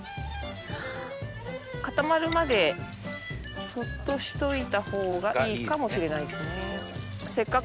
固まるまでそっとしといた方がいいかもしれないですね。